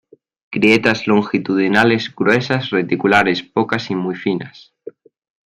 Grietas longitudinales gruesas, reticulares pocas y muy finas.